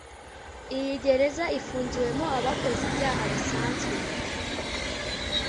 Iyi gereza ifungiwemo abakoze ibyaha bisanzwe